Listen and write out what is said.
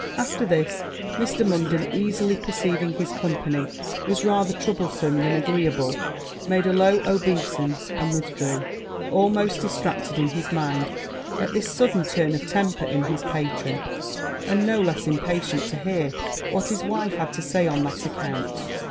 After this, Mr. Munden, easily perceiving his company was rather troublesome than agreeable, made a low obeisance, and withdrew, almost distracted in his mind at this sudden turn of temper in his patron, and no less impatient to hear what his wife had to say on that account.